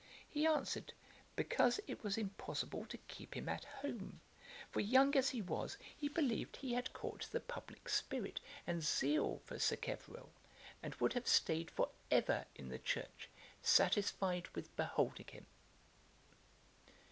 He answered, because it was impossible to keep him at home; for, young as he was, he believed he had caught the publick spirit and zeal for Sacheverel, and would have staid for ever in the church, satisfied with beholding him.'